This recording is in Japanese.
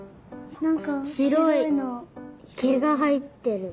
しろいけがはえてる。